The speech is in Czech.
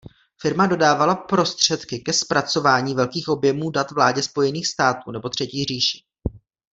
Firma dodávala prostředky ke zpracování velkých objemů dat vládě Spojených států nebo Třetí říši.